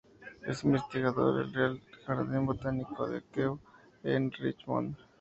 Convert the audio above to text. Es investigador en el Real Jardín Botánico de Kew, en Richmond.